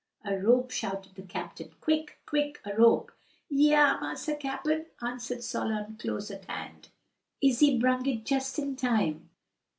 "A rope!" shouted the captain, "quick! quick! a rope!" "Heah, massa cap'n!" answered Solon close it hand. "Ise brung it jus' in time."